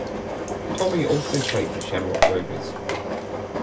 Tommy also played for Shamrock Rovers.